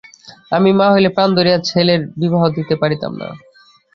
আমি মা হইলে প্রাণ ধরিয়া ছেলের বিবাহ দিতে পারিতাম না।